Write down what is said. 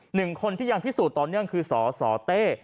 หนึ่งคนที่ยังพิสูจน์ต่อเนื่องคือสสเต้